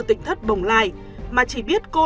tỉnh thất bồng lai mà chỉ biết cô